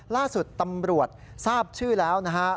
ล่าสุดตำรวจทราบชื่อแล้วนะฮะ